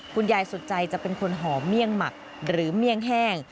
คุณยายสุดใจจะเป็นคนห่อเมี่ยงหมักหรือเมี่ยงแห้ง